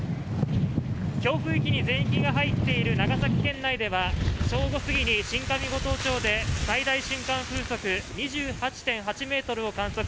強風域に全域が入っている長崎県内では正午過ぎに新上五島町で最大瞬間風速２８．８メートルを観測。